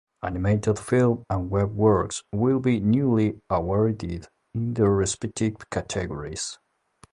Animated film and Web works will be newly Awarded in their respective Categories.